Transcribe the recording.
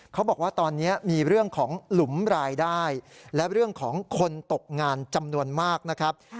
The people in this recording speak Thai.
เขาบอกว่าตอนนี้มีเรื่องของหลุมรายได้และเรื่องของคนตกงานจำนวนมากนะครับ